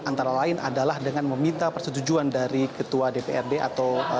antara lain adalah dengan meminta persetujuan dari ketua dprd atau